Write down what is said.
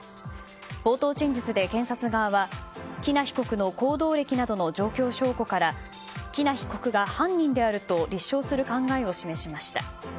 冒頭陳述で検察側は喜納被告の行動歴などの状況証拠から喜納被告が犯人であると立証する考えを示しました。